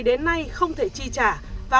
đến nay không thể chi trả và